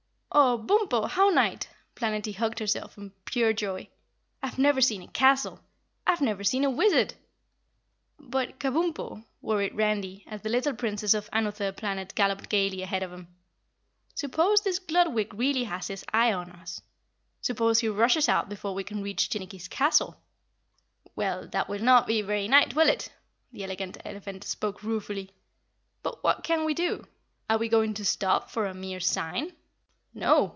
"Oh, Bumpo, how nite!" Planetty hugged herself from pure joy. "I've never seen a castle, I've never seen a wizard!" "But, Kabumpo " worried Randy as the little Princess of Anuther Planet galloped gaily ahead of them. "Suppose this Gludwig really has his eye on us? Suppose he rushes out before we can reach Jinnicky's castle?" "Well, that will not be very 'nite,' will it?" The Elegant Elephant spoke ruefully. "But what can we do? Are we going to stop for a mere sign?" "No!"